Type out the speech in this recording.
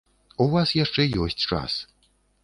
У вас яшчэ ёсць час.